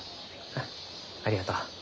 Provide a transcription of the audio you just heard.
ああありがとう。